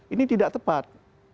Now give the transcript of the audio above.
ini tidak tepat